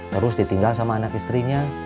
terus ditinggal sama anak istrinya